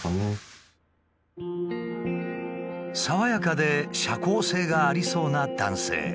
爽やかで社交性がありそうな男性。